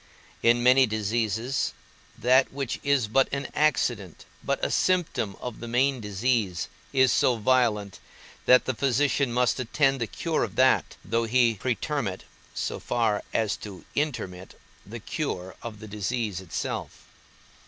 In many diseases, that which is but an accident, but a symptom of the main disease, is so violent, that the physician must attend the cure of that, though he pretermit (so far as to intermit) the cure of the disease itself.